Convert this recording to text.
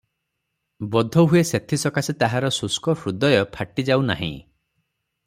ବୋଧହୁଏ ସେଥିସକାଶେ ତାହାର ଶୁଷ୍କ ହୃଦୟ ଫାଟିଯାଉ ନାହିଁ ।